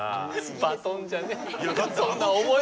バトンじゃねえ。